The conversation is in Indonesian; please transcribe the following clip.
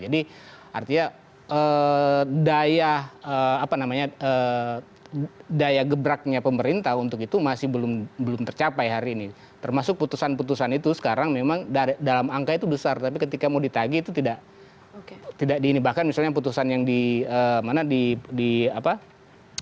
jadi artinya daya apa namanya daya gebraknya pemerintah untuk itu masih belum belum tercapai hari ini termasuk putusan putusan itu sekarang memang dalam angka itu besar tapi ketika mau ditagi itu tidak tidak di ini bahkan misalnya putusan yang di mana di apa di aceh misalnya itu sudah diputus